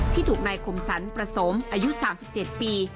ถูกนายคมสรรประสมอายุ๓๗ปี